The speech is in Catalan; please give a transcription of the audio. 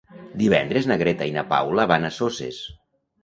Divendres na Greta i na Paula van a Soses.